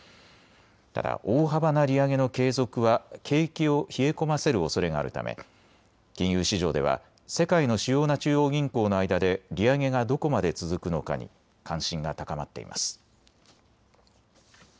ただ大幅な利上げの継続は景気を冷え込ませるおそれがあるため金融市場では世界の主要な中央銀行の間で利上げがどこまで続くのかに関心が高まっています。